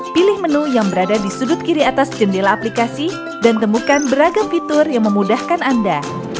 pilih menu yang berada di sudut kiri atas jendela aplikasi dan temukan beragam fitur yang memudahkan anda